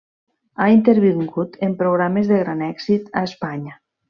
Ha intervingut en programes de gran èxit a Espanya.